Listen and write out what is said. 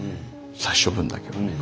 殺処分だけはね。